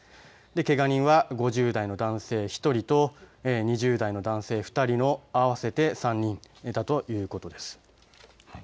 けが人は５０代の男性１人と２０代の男性２人の合わせて３人だということです。